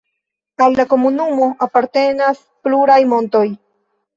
Al la komunumo apartenas pluraj montoj.